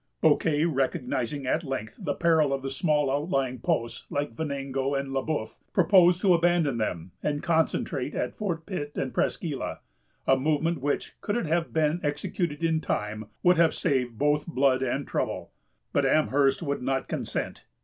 Bouquet, recognizing at length the peril of the small outlying posts, like Venango and Le Bœuf, proposed to abandon them, and concentrate at Fort Pitt and Presqu' Isle; a movement which, could it have been executed in time, would have saved both blood and trouble. But Amherst would not consent.